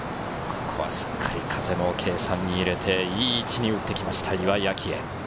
しっかり風も計算に入れて、いい位置に打ってきました、岩井明愛。